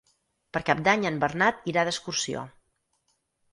Per Cap d'Any en Bernat irà d'excursió.